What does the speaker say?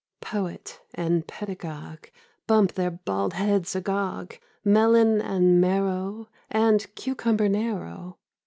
Poet and pedagogue Bump their bald heads agog — (Melon and marrow. And cucumber narrow).